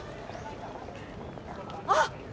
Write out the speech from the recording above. あっ！